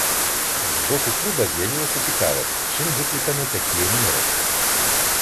З боку клуба з'явілася цікавасць, чым выкліканы такія меры.